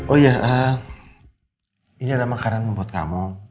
oh iya ini adalah makanan buat kamu